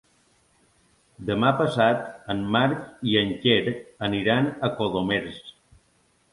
Demà passat en Marc i en Quer aniran a Colomers.